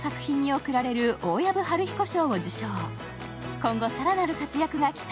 今後、更なる活躍が期待